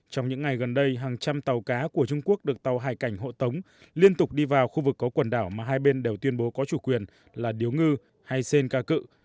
trong những ngày gần đây hàng trăm tàu cá của trung quốc được tàu hải cảnh hộ tống liên tục đi vào khu vực có quần đảo mà hai bên đều tuyên bố có chủ quyền là điếu ngư hay sơn ca cự